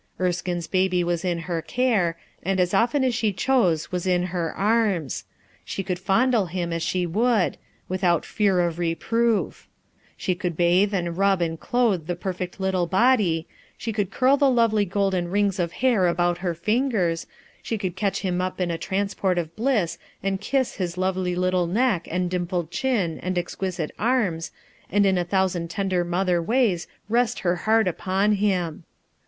Erskine's baby was in her care, and as often as she chose was b her arms; she could fondle him as eIic would, without fear of reproof, She could bathe and rub and clotho Iho perfect 33S HUTH ERSKINE'S SON little body, she could curl the lovely go ld Cn ^ of hair about her lingers, she could catch hi tt m a transport of bliss and kiss his lovely i it ? neck and dimpled chin and exquisite arm 9( a J in a thousand tender mother ways rest heart upon him.